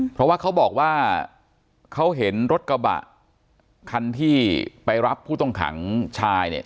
เพราะว่าเขาบอกว่าเขาเห็นรถกระบะคันที่ไปรับผู้ต้องขังชายเนี่ย